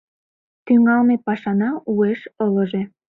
Тӱҥалме пашана уэш ылыже.